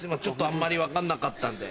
あんまり分かんなかったんで。